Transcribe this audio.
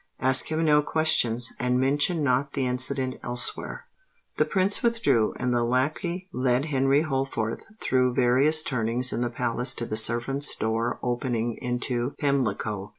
"Ask him no questions—and mention not the incident elsewhere." The Prince withdrew; and the lacquey led Henry Holford through various turnings in the palace to the servants' door opening into Pimlico.